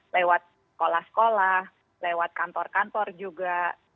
lewat sekolah sekolah lewat kantor kantor juga